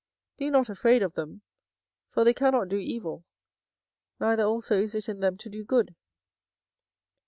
Be not afraid of them; for they cannot do evil, neither also is it in them to do good.